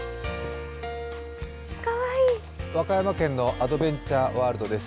和歌山県のアドベンチャーワールドです。